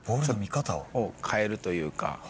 変えるというか。